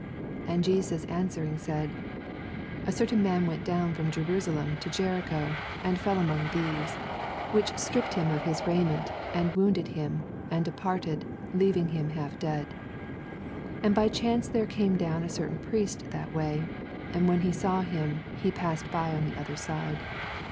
30 And Jesus answering said, A certain man went down from Jerusa lem to Jericho, and foil among thieves, which stripped him of his raiment, and wounded him, and departed, leav ing hifn half dead. 81 And by chance there came down ft oertain Pnest that way : and when he saw him, he psssed by on the other Bide.